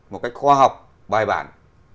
một cách khoa học bài bản